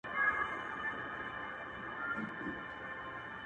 که هر څو یې د زړه مېرمنه چیغې ورته وکړي